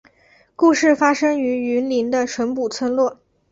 故事发生于云林的纯朴村落